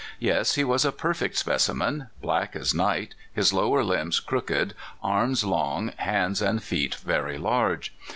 Yes, he was a per fect specimen black as night, his lower limbs crooked, arms long, hands and feet very large.